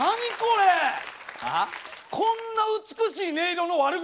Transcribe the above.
こんな美しい音色の悪口